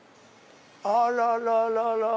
あらららら！